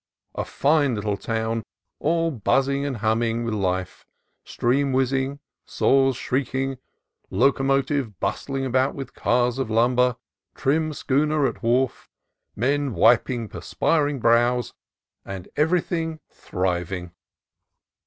a fine little town, all buzzing and humming with life, steam whizzing, saws shrieking, locomotive bustling about with cars of lumber, trim schooner at wharf, men wiping perspiring brows, and every thing thriving.